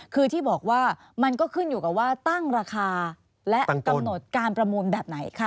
คือที่บอกว่ามันก็ขึ้นอยู่กับว่าตั้งราคาและกำหนดการประมูลแบบไหนค่ะ